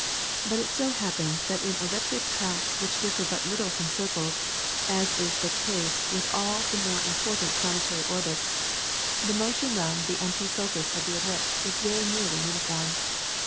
But it so happens that in elliptic tracks which differ but little from circles, as is the case with all the more important planetary orbits, the motion round the empty focus of the ellipse is very nearly uniform.